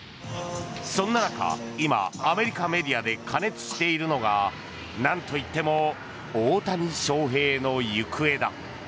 そんな中今、アメリカメディアで過熱しているのが何といっても大谷翔平の行方だ。